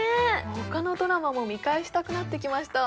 他のドラマも見返したくなってきました